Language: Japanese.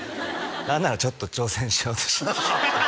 何ならちょっと挑戦しようとしてました